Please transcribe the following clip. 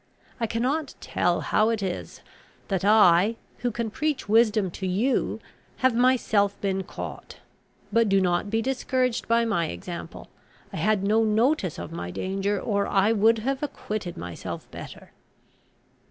I cannot tell how it is that I, who can preach wisdom to you, have myself been caught. But do not be discouraged by my example. I had no notice of my danger, or I would have acquitted myself better."